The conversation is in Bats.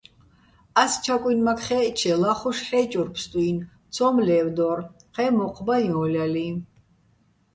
ას ჩაკუჲნმაქ ხაე̆ჸჩე ლახუშ ჰ̦ე́ჭურ ფსტუ́ჲნო̆, ცო́მ ლე́ვდო́რ, ჴეჼ მოჴ ბაჼ ჲო́ლჲალიჼ.